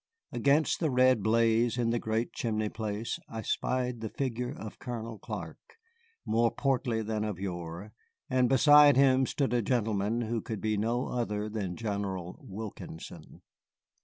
Against the red blaze in the great chimney place I spied the figure of Colonel Clark, more portly than of yore, and beside him stood a gentleman who could be no other than General Wilkinson.